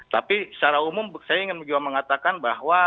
tapi secara umum saya ingin juga mengatakan bahwa